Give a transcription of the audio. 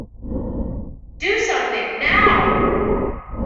Do Something Now!